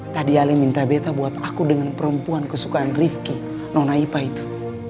tadi ali minta betta buat aku dengan perempuan kesukaan rifki nona ipa itu